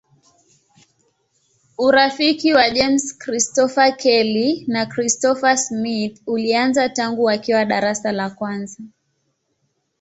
Urafiki wa James Christopher Kelly na Christopher Smith ulianza tangu wakiwa darasa la kwanza.